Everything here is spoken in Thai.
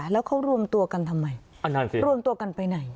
แล้วเขาร่วมตัวกันทำไมร่วมตัวกันไปไหน